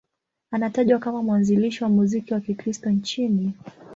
Anatajwa kama mwanzilishi wa muziki wa Kikristo nchini.